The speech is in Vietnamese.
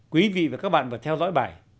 quý vị và các bạn vừa theo dõi bài